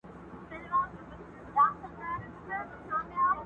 ګونګ یې کی زما تقدیر تقدیر خبري نه کوي